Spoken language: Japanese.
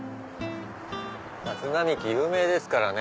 松並木有名ですからね。